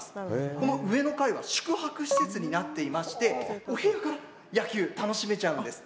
この上の階は宿泊施設になっていましてお部屋から野球楽しめちゃうんです。